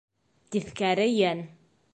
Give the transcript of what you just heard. Тиҫ-кә-ре йән.